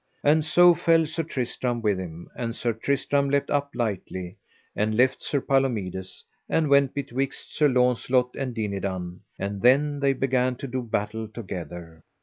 And so fell Sir Tristram with him; and Sir Tristram leapt up lightly and left Sir Palomides, and went betwixt Sir Launcelot and Dinadan, and then they began to do battle together.